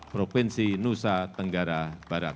provinsi nusa tenggara barat